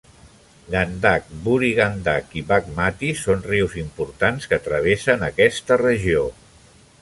Gandak, Burhi Gandak i Baghmati són rius importants que travessen aquesta regió.